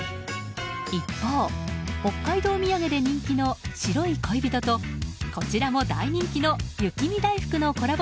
一方、北海道土産で人気の白い恋人とこちらも大人気の雪見だいふくのコラボ